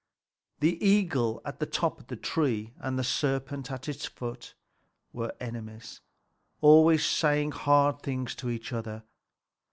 The eagle at the top of the tree and the serpent at its foot were enemies, always saying hard things of each other.